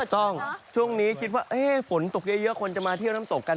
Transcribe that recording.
ช่วงนี้คิดว่าฝนตกเยอะคนจะมาเที่ยวน้ำตกกัน